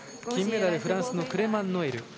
金メダル、フランスのクレマン・ノエル。